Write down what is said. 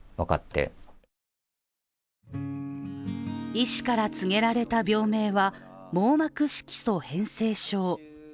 医師から告げられた病名は網膜色素変性症。